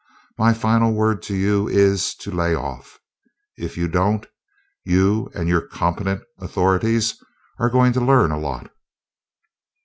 My final word to you is to lay off if you don't, you and your 'competent authorities' are going to learn a lot."